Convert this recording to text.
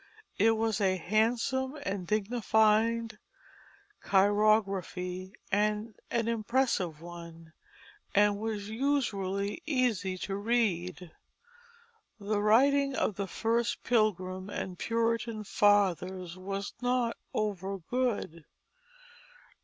It was a handsome and dignified chirography and an impressive one, and was usually easy to read. The writing of the first Pilgrim and Puritan fathers was not over good.